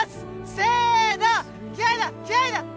せの！